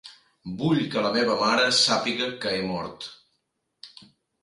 Vull que la meva mare sàpiga que he mort.